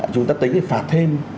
chúng ta tính để phạt thêm